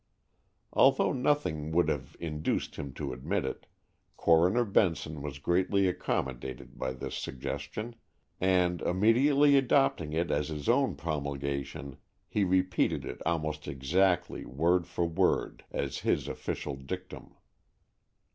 Although nothing would have induced him to admit it, Coroner Benson was greatly accommodated by this suggestion, and immediately adopting it as his own promulgation, he repeated it almost exactly word for word, as his official dictum.